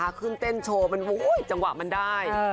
ถ้าขึ้นเต้นโชว์จังหวะมันได้